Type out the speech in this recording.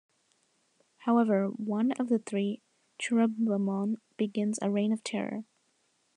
However, one of the three, Cherubimon begins a reign of terror.